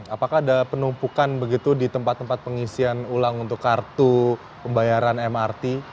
apakah ada penumpukan begitu di tempat tempat pengisian ulang untuk kartu pembayaran mrt